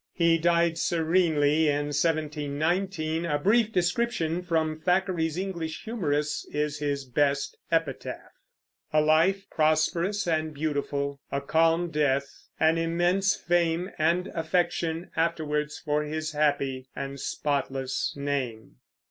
He died serenely in 1719. A brief description from Thackeray's English Humorists is his best epitaph: A life prosperous and beautiful, a calm death; an immense fame and affection afterwards for his happy and spotless name.